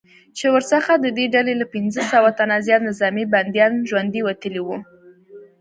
چې ورڅخه ددې ډلې له پنځه سوه تنه زیات نظامي بندیان ژوندي وتلي وو